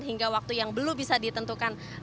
hingga waktu yang belum bisa ditentukan